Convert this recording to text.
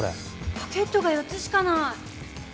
ポケットが４つしかない。